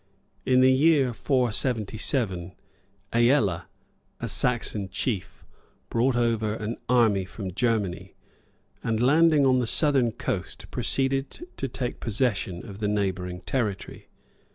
In the year 477,[] Ælla, a Saxon chief, brought over an army from Germany; and, landing on the southern coast, proceeded to take possession of the neighboring territory.